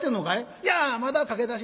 「いやまだ駆け出し。